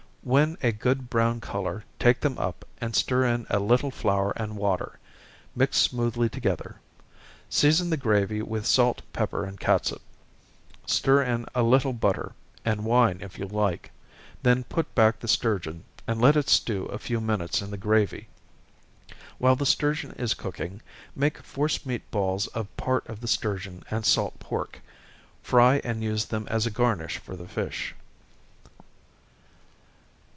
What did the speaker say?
When a good brown color, take them up, and stir in a little flour and water, mixed smoothly together. Season the gravy with salt, pepper, and catsup stir in a little butter, and wine if you like, then put back the sturgeon, and let it stew a few minutes in the gravy. While the sturgeon is cooking, make force meat balls of part of the sturgeon and salt pork fry and use them as a garnish for the fish.